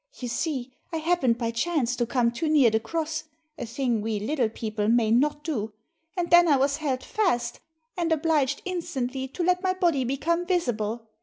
You see I happened by chance to come too near the cross, a thing we little people may not do, and then I was held fast, and obliged instantly to let my body become visible.